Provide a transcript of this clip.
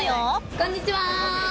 こんにちは！